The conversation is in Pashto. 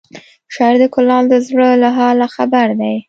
شاعر د کلال د زړه له حاله خبر دی